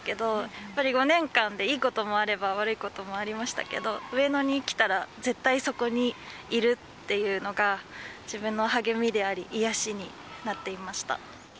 やっぱり５年間でいいこともあれば悪いこともありましたけど、上野に来たら、絶対そこにいるっていうのが、自分の励みであり、癒やしになっていました。